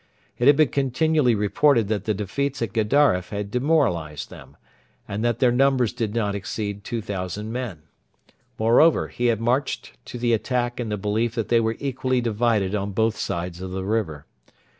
It had been continually reported that the defeats at Gedaref had demoralised them, and that their numbers did not exceed 2,000 men. Moreover, he had marched to the attack in the belief that they were equally divided on both sides of the river.